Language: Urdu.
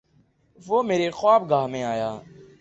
وہ میرے خواب گاہ میں آیا